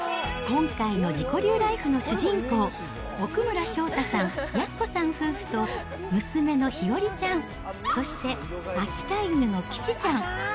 今回の自己流ライフの主人公、屋村祥太さん、靖子さん夫婦と、娘の日和ちゃん、そして秋田犬のキチちゃん。